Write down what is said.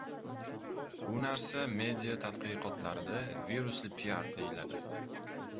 Bu narsa media tadqiqotlarida “virusli piar” deyiladi.